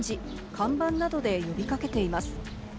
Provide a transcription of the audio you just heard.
看板などで呼び掛けています。